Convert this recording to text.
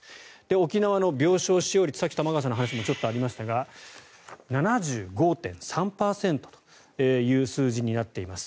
沖縄の病床使用率玉川さんの話にもちょっとありましたが７５．３％という数字になっています。